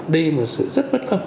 đây là một sự rất bất công